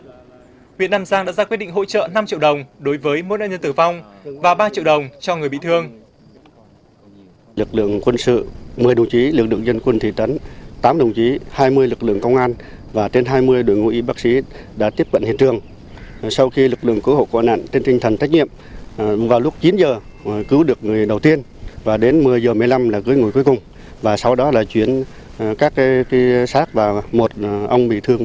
huyện nam giang đã ra quyết định hỗ trợ năm triệu đồng đối với một nhân tử phong và ba triệu đồng cho người bị thương